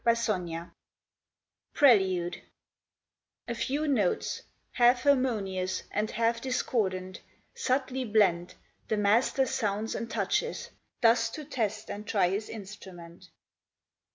122 PRELUDE PRELUDE A FEW notes, half harmonious And half discordant, subtly blent, The master sounds and touches, thus To test and try his instrument.